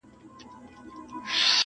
د غازي افسانه نه سوم